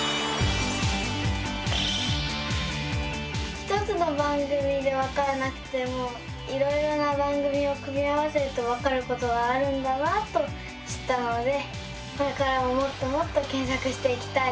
１つの番組でわからなくてもいろいろな番組を組み合わせるとわかることがあるんだなと知ったのでこれからももっともっと検索していきたいです。